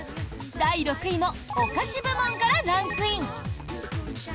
第６位もお菓子部門からランクイン。